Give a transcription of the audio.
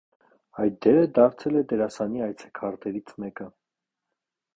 Այդ դերը դարձել է դերասանի «այցեքարտերից» մեկը։